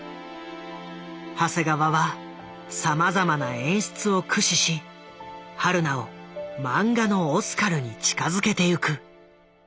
長谷川はさまざまな演出を駆使し榛名をマンガのオスカルに近づけてゆく。